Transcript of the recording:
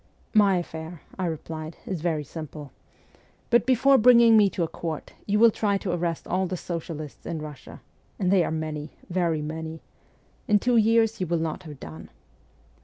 ' My affair,' I replied, ' is very simple ; but before bringing me to a court you will try to arrest all the socialists in Russia, and they are many, very many ; in two years you w r ill not have done.'